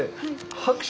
拍手。